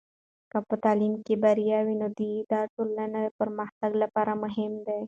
که په تعلیم کې بریا وي، نو دا د ټولنې پرمختګ لپاره مهم دی.